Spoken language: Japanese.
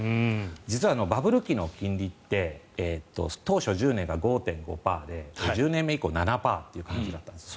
実はバブル期の金利って当初、１０年が５．５％で１０年目以降７％という感じだったんです。